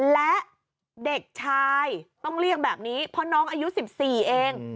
และเด็กชายต้องเรียกแบบนี้เพราะน้องอายุ๑๔เอง